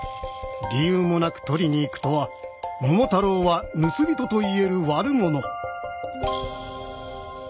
理由もなく取りに行くとは桃太郎は盗人と言える悪者」。